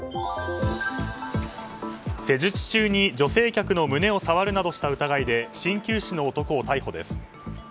施術中に女性客の胸を触るなどした疑いで鍼灸師の男を逮捕です。